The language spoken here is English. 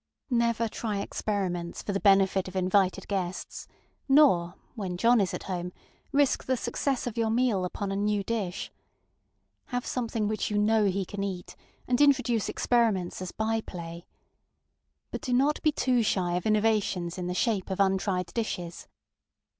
Never try experiments for the benefit of invited guests nor, when John is at home, risk the success of your meal upon a new dish. Have something which you know he can eat, and introduce experiments as by play. But do not be too shy of innovations in the shape of untried dishes.